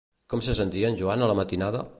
Com se sentia en Joan a la matinada?